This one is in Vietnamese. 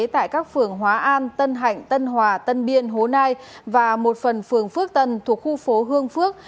tại các phường hóa an tân hạnh tân hòa tân biên hố nai và một phần phường phước tân thuộc khu phố hương phước